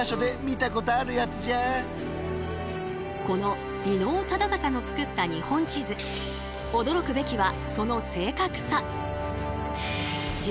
この伊能忠敬の作った日本地図驚くべきはその正確さ。